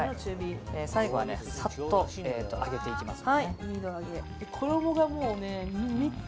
最後はさっと揚げていきます。